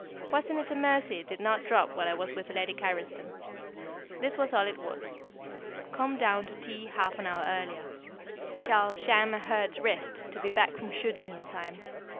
Wasn't it a mercy it did not drop while I was with Lady Carriston? This was all it was: "Come down to tea half an hour earlier; shall sham a hurt wrist to be back from shooting in time.